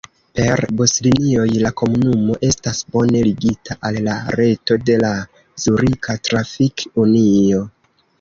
Per buslinioj la komunumo estas bone ligita al la reto de la Zurika Trafik-Unio.